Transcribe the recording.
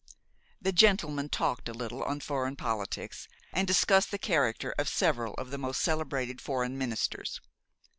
The gentlemen talked a little on foreign politics; and discussed the character of several of the most celebrated foreign ministers.